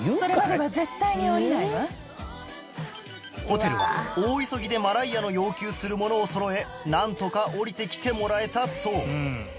ホテルは大急ぎでマライアの要求するものをそろえなんとか降りてきてもらえたそう